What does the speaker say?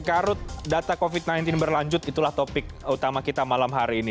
karut data covid sembilan belas berlanjut itulah topik utama kita malam hari ini